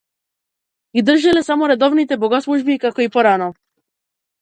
Ги држеше само редовните богослужби, како и порано.